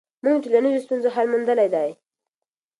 موږ د ټولنیزو ستونزو حل موندلی دی.